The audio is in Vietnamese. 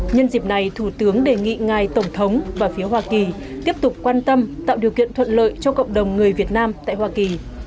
nhân dịp này thủ tướng đề nghị ngài tổng thống và phía hoa kỳ tiếp tục quan tâm tạo điều kiện thuận lợi cho cộng đồng người việt nam tại hoa kỳ